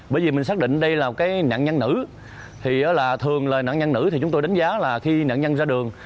bởi vì mình xác định đây là cái nạn nhân nữ thì là thường là nạn nhân nữ thì chúng tôi đánh giá là khi nạn nhân ra đường